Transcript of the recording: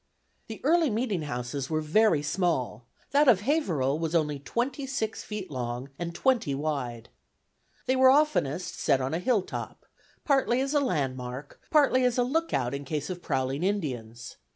The early meeting houses were very small; that of Haverhill was only twenty six feet long and twenty wide. They were oftenest set on a hilltop, partly as a landmark, partly as a lookout in case of prowling Indians.